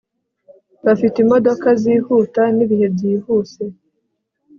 bafite imodoka zihuta nibihe byihuse